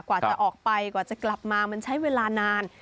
กว่าจะออกไปกว่าจะกลับมามันใช้เวลานาน